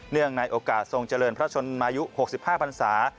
เนื่องในโอกาสทรงเฉินพระชนมายุ๖๕ภาษา